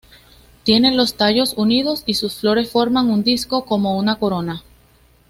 Tiene los tallos unidos y sus flores forman un disco como una corona.